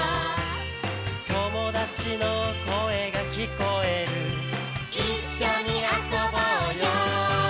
「友達の声が聞こえる」「一緒に遊ぼうよ」